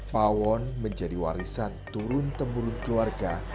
pawon menjadi warisan turun temurun keluarga